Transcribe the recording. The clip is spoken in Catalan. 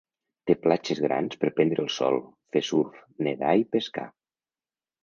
Té platges grans per prendre el sol, fer surf, nedar i pescar.